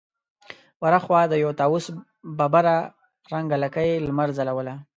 ور هاخوا د يوه طاوس ببره رنګه لکۍ لمر ځلوله.